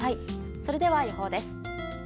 それでは予報です。